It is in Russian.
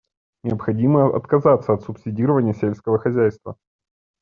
Необходимо отказаться от субсидирования сельского хозяйства.